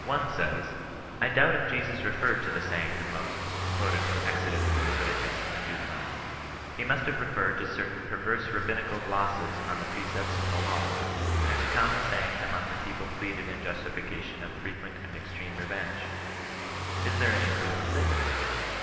One says, " I doubt if Jesus referred to the sayings of Moses, quoted from Exodus, Leviticus, and Deuteronomy. He must have referred to certain perverse Rabbinical glosses on the precepts of the law, and to common say ings among the people pleaded in justification of frequent and extreme revenge.' Is there any proof of this